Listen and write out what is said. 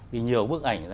vì nhiều bức ảnh